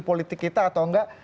politik kita atau enggak